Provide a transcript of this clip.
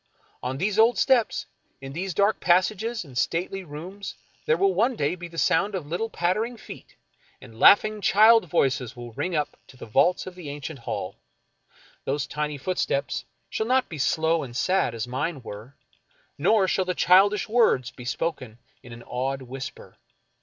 On these old steps, in these dark pas sages and stately rooms, there will one day be the sound of little pattering feet, and laughing child voices will ring up to the vaults of the ancient hall. Those tiny footsteps shall not be slow and sad as mine were, nor shall the childish words be spoken in an awed whisper.